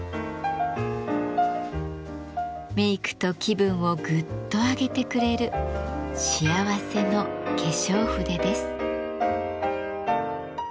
メイクと気分をグッと上げてくれる幸せの化粧筆です。